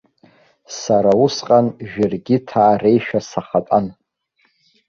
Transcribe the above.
Сара усҟан жәыргьыҭаа реишәа сахатәан.